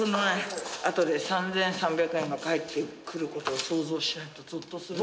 あとで３，３００円が返ってくることを想像しないとゾッとするわ。